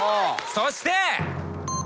そして。